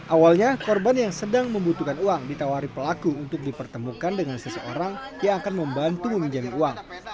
awalnya korban yang sedang membutuhkan uang ditawari pelaku untuk dipertemukan dengan seseorang yang akan membantu meminjami uang